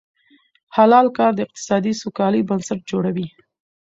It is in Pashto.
حلال کار د اقتصادي سوکالۍ بنسټ جوړوي.